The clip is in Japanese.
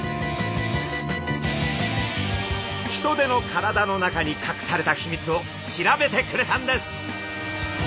ヒトデの体の中に隠された秘密を調べてくれたんです。